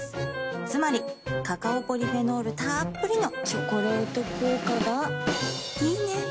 つまりカカオポリフェノールたっぷりの「チョコレート効果」がいいね。